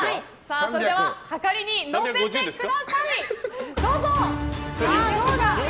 それでははかりに乗せてください。